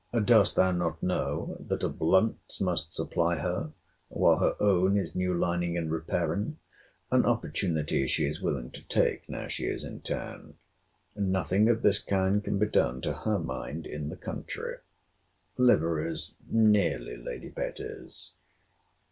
Dost thou not know that a Blunt's must supply her, while her own is new lining and repairing? An opportunity she is willing to take now she is in town. Nothing of this kind can be done to her mind in the country. Liveries nearly Lady Betty's.